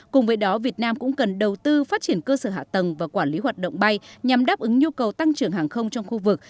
cùng với đó việt nam cũng cần đầu tư phát triển cơ sở hạ tầng và quản lý hoạt động bay nhằm đáp ứng nhu cầu tăng trưởng hàng không trong khu vực